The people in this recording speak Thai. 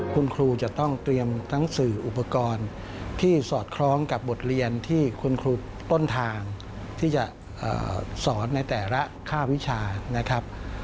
คุณครูจะต้องเตรียมทั้งสื่ออุปกรณ์ที่สอดคล้องกับบทเรียนที่คุณครูต้นทางที่จะสอนในแต่ละค่าวิชานะครับ